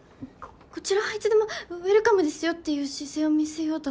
こちらはいつでもウエルカムですよっていう姿勢を見せようと。